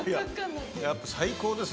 やっぱ最高ですよ。